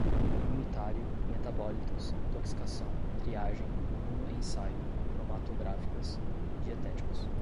imunitário, metabólitos, intoxicação, triagem, imunoensaio, cromatográficas, dietéticos